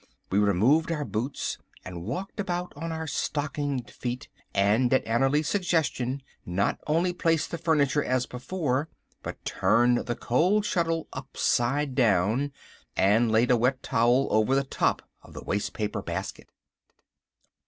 We removed our boots, and walked about on our stockinged feet, and at Annerly's suggestion, not only placed the furniture as before, but turned the coal scuttle upside down, and laid a wet towel over the top of the wastepaper basket.